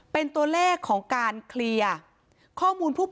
เป็นตัวเลขของการเคลียร์